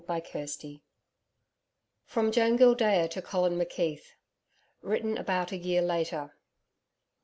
CHAPTER 10 From Joan Gildea to Colin McKeith. Written about a year later.